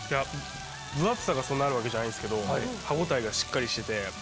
分厚さがそんなあるわけじゃないんすけど歯応えがしっかりしてて。